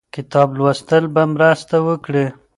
کتاب لوستل به مرسته وکړي.